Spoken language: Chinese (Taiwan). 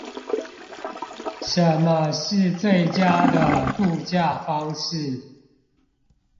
什麼是最佳的渡假方式